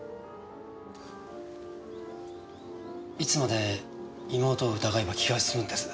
いつまで妹を疑えば気が済むんです？